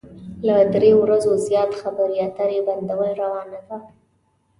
له درې ورځو زيات خبرې اترې بندول روا نه ده.